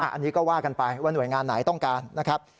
อันนี้ก็ว่ากันไปว่าหน่วยงานไหนต้องการนะครับ